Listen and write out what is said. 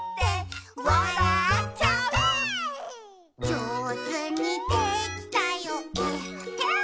「じょうずにできたよえっへん」